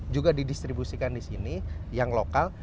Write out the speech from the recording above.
juga di distribusikan di sini yang lokal